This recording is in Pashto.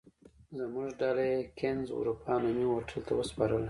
زموږ ډله یې کېنز اروپا نومي هوټل ته وسپارله.